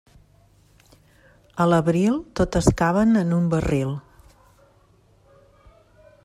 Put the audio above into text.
A l'abril, totes caben en un barril.